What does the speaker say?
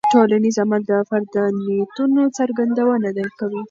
ټولنیز عمل د فرد د نیتونو څرګندونه کوي.